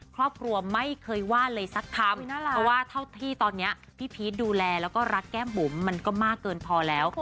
ครอบครัวไม่เคยว่าเลยสักคำเพราะว่าเท่าที่ตอนนี้พี่พีชดูแลแล้วก็รักแก้มบุ๋มมันก็มากเกินพอแล้ว